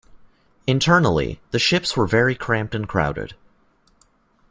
Internally, the ships were very cramped and crowded.